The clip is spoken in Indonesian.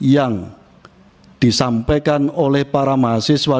yang disampaikan oleh para mahasiswa